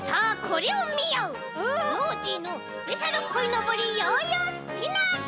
「ノージーのスペシャルこいのぼりヨーヨースピナー」だ！